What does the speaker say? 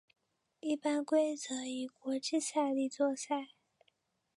一般规则以国际赛例作赛。